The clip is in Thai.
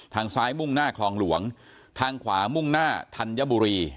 ทางซ้ายมุ่งหน้าคลองหลวงทางขวามุ่งหน้าธัญบุรี